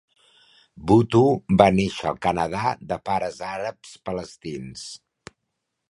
Buttu va néixer al Canadà de pares àrabs palestins.